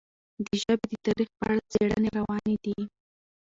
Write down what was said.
د ژبې د تاریخ په اړه څېړنې روانې دي.